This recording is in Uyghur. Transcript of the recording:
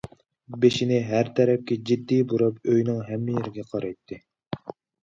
بېشىنى ھەر تەرەپكە جىددىي بۇراپ ئۆينىڭ ھەممە يېرىگە قارايتتى.